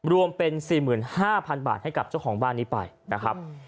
รวมเป็น๔๕๐๐๐บาทให้กับเจ้าของบ้านนี้ไปนะครับ